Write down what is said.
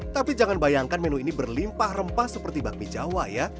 tapi jangan bayangkan menu ini berlimpah rempah seperti bakmi jawa ya